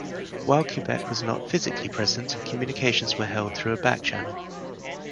While Quebec was not physically present, communications were held through a back channel.